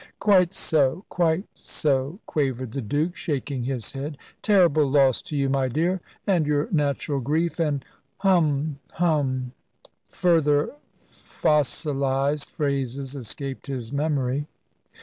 "Quite so quite so," quavered the Duke, shaking his head; "terrible loss to you, my dear and your natural grief, and hum hum " Further fossilised phrases escaped his memory.